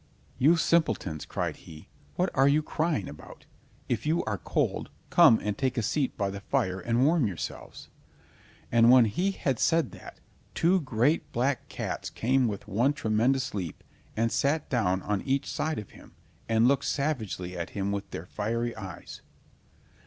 "You simpletons!" cried he, "what are you crying about? If you are cold, come and take a seat by the fire and warm yourselves." And when he had said that, two great black cats came with one tremendous leap and sat down on each side of him, and looked savagely at him with their fiery eyes.